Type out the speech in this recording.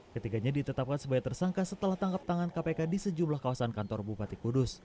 ketiganya ditetapkan sebagai tersangka setelah tangkap tangan kpk di sejumlah kawasan kantor bupati kudus